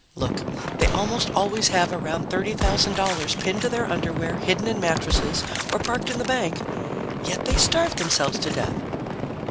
Look, they almost always have around $30,000 pinned to their underwear, hidden in mattresses, or parked in the bank, yet they starve themselves to death.